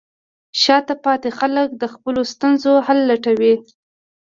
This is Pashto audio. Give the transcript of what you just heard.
شاته پاتې خلک د خپلو ستونزو حل لټوي.